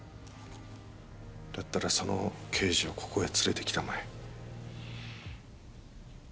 だったらその刑事をここへ連れてきたまえ。